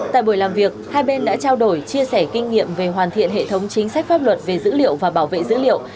tại buổi làm việc hai bên đã trao đổi chia sẻ kinh nghiệm về hoàn thiện hệ thống chính sách pháp luật về dữ liệu và bảo vệ dữ liệu